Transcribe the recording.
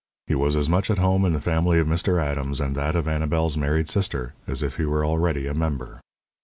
He was as much at home in the family of Mr. Adams and that of Annabel's married sister as if he were already a member.